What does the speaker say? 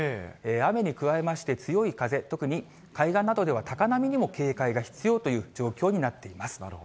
雨に加えまして強い風、特に海岸などでは高波にも警戒が必要という状況になっています。